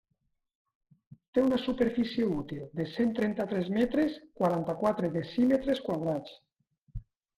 Té una superfície útil de cent trenta-tres metres, quaranta-quatre decímetres quadrats.